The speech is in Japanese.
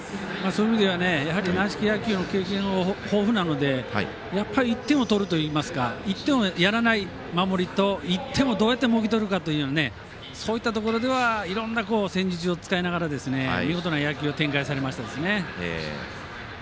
軟式野球の経験が豊富なのでやっぱり１点を取るというか１点をやらない守りというのと１点をどうもぎ取るかそういうところではいろんな戦術を使いながら見事な野球をプレーしましたね。